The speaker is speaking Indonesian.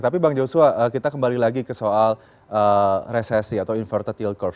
tapi bang joshua kita kembali lagi ke soal resesi atau inverted yid course